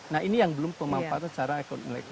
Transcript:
nah ini yang belum pemanfaatan secara ekonomi